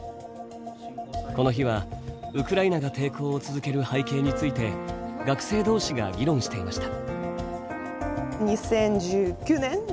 この日はウクライナが抵抗を続ける背景について学生同士が議論していました。